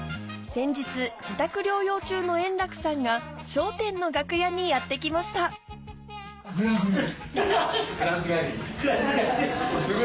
先日自宅療養中の円楽さんが『笑点』の楽屋にやって来ましたフランス帰り？